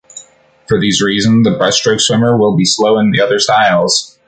For these reason the breaststroke swimmer, will be slow in the other styles.